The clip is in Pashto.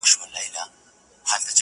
خبرونه باید بېطرفه وي